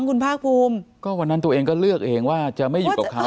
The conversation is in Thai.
คุณภาคภูมิก็วันนั้นตัวเองก็เลือกเองว่าจะไม่อยู่กับเขา